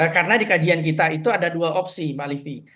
karena di kajian kita itu ada dua opsi